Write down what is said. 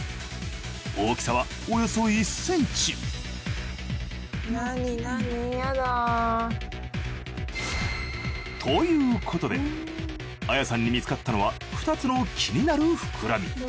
大きさはおよそ１ｃｍということでＡＹＡさんに見つかったのは２つの気になるふくらみ。